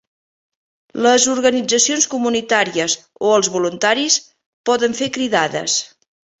Les organitzacions comunitàries o els voluntaris poden fer cridades.